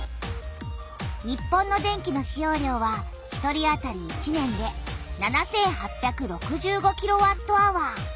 日本の電気の使用量は１人あたり１年で７８６５キロワットアワー。